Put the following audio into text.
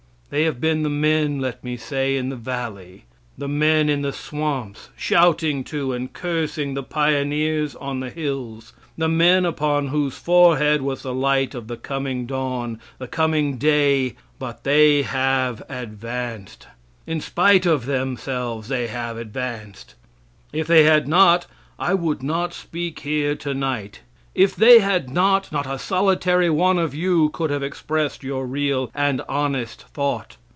They have been the men, let me say, in the valley; the men in swamps, shouting to and cursing the pioneers on the hills; the men upon whose forehead was the light of the coming dawn, the coming day but they have advanced. In spite of themselves, they have advanced! If they had not, I would not speak here to night. If they had not, not a solitary one of you could have expressed your real and honest thought.